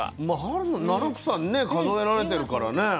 まあ春の七草にね数えられてるからね。